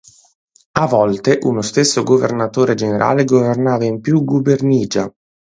A volte, uno stesso governatore generale governava in più "gubernija".